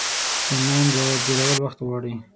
د انلاین باور جوړول وخت غواړي.